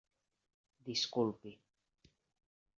Disculpi.